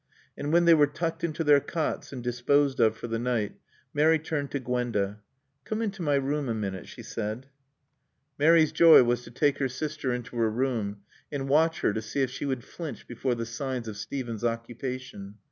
And when they were tucked into their cots and disposed of for the night Mary turned to Gwenda. "Come into my room a minute," she said. Mary's joy was to take her sister into her room and watch her to see if she would flinch before the signs of Steven's occupation.